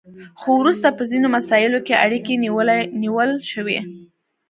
خو وروسته په ځینو مساییلو کې اړیکې نیول شوي